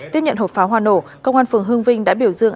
tiếp nhận hộp pháo hoa nổ công an phường hương vinh đã biểu dương